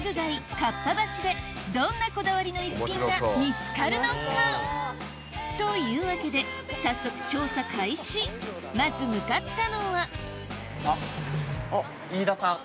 かっぱ橋でどんなこだわりの逸品が見つかるのか？というわけで早速調査開始まず向かったのはあっ飯田さん。